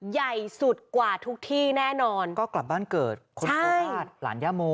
ใหญ่สุดกว่าทุกที่แน่นอนก็กลับบ้านเกิดคนโคราชหลานย่าโม